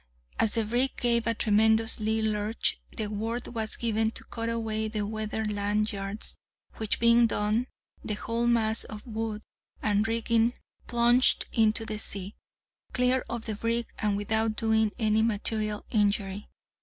As the brig gave a tremendous lee lurch, the word was given to cut away the weather lanyards, which being done, the whole mass of wood and rigging plunged into the sea, clear of the brig, and without doing any material injury.